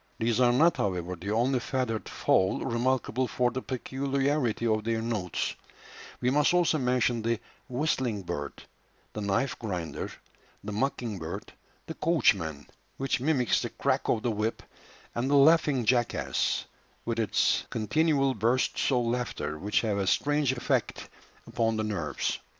These are not, however, the only feathered fowl remarkable for the peculiarity of their notes; we must also mention the "whistling bird," the "knife grinder," the "mocking bird," the "coachman," which mimics the crack of the whip, and the "laughing jackass," with its continual bursts of laughter, which have a strange effect upon the nerves.